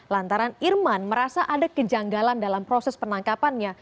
lantaran irman merasa ada kejanggalan dalam proses penangkapannya